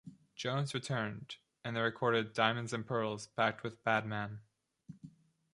Jones returned, and they recorded "Diamonds And Pearls," backed with "Bad Man".